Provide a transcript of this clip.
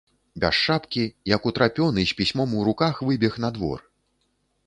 Без шапкі, як утрапёны, з пісьмом у руках выбег на двор.